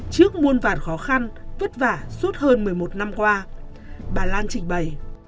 trước muôn vàn khó khăn vất vả suốt hơn một mươi một năm qua bà lan trình bày